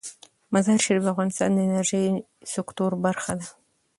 مزارشریف د افغانستان د انرژۍ سکتور برخه ده.